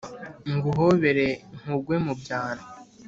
Nguhobere nkugwe mu byano